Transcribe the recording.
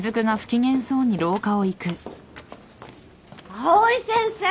藍井先生！